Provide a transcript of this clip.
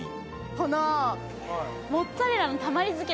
このモッツァレラのたまり漬け